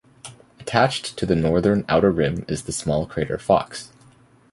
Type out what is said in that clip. Attached to the northern outer rim is the small crater Fox.